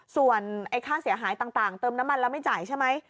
ส่วนค่าเสียหายต่างเติมน้ำมันแล้วไม่จ่ายใช่ไหม